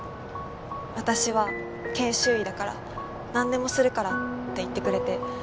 「私は研修医だからなんでもするから」って言ってくれて。